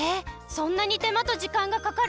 そんなにてまとじかんがかかるんだね。